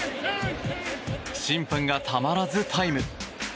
審判が、たまらずタイム。